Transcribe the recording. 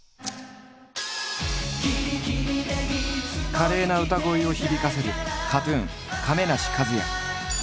華麗な歌声を響かせるＫＡＴ−ＴＵＮ亀梨和也。